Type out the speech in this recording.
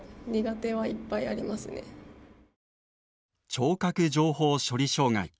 聴覚情報処理障害。